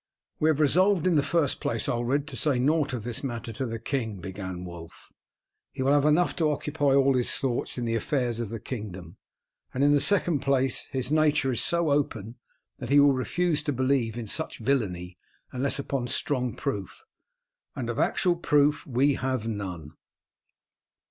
"We have resolved in the first place, Ulred, to say nought of this matter to the king," began Wulf. "He will have enough to occupy all his thoughts in the affairs of the kingdom, and in the second place his nature is so open that he will refuse to believe in such villainy unless upon strong proof, and of actual proof we have none.